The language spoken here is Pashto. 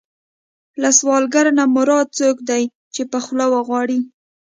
له سوالګر نه مراد څوک دی چې په خوله وغواړي.